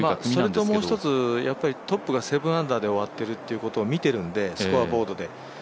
それともう一つ、トップが７アンダーで終わっているということを見ているので、スコアボードで。